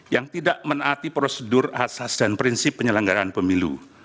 yang tidak menaati prosedur asas dan prinsip penyelenggaraan pemilu